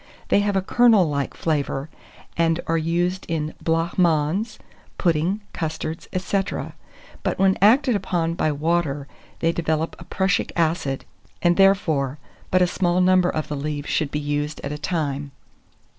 They have a kernel like flavour, and are used in blanc mange, puddings, custards &c. but when acted upon by water, they develop prussic acid, and, therefore, but a small number of the leaves should be used at a time.